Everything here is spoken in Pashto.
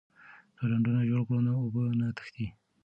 که ډنډونه جوړ کړو نو اوبه نه تښتي.